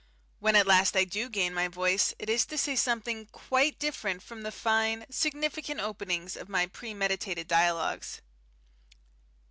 When at last I do gain my voice it is to say something quite different from the fine, significant openings of my premeditated dialogues.